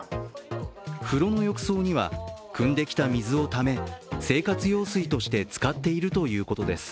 風呂の浴槽には、くんできた水をため生活用水として使っているということです。